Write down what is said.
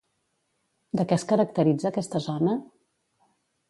De què es caracteritza aquesta zona?